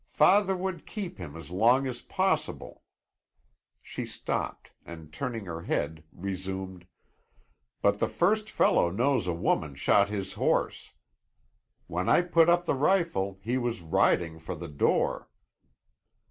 Father would keep him as long as possible " She stopped and turning her head resumed: "But the first fellow knows a woman shot his horse. When I put up the rifle, he was riding for the door."